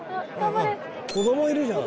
子どもいるじゃん。